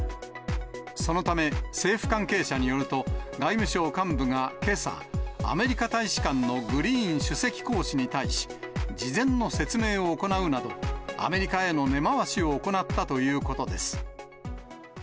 そのため、政府関係者によると、外務省幹部がけさ、アメリカ大使館のグリーン首席公使に対し、事前の説明を行うなど、アメリカへの根回しを行ったということです。